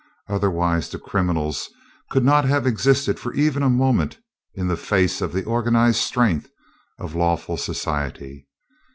Otherwise the criminals could not have existed for even a moment in the face of the organized strength of lawful society.